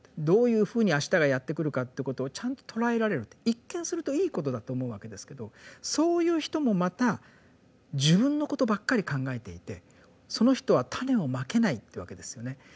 どういうふうにあしたがやって来るかということをちゃんと捉えられるって一見するといいことだと思うわけですけどそういう人もまた自分のことばっかり考えていてその人は種を蒔けないってわけですよね。